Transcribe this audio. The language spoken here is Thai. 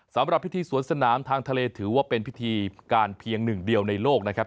สำหรับพิธีสวนสนามทางทะเลถือว่าเป็นพิธีการเพียงหนึ่งเดียวในโลกนะครับ